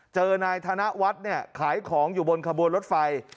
เจอนายธนวัฒน์เนี่ยขายของอยู่บนขบวนรถไฟ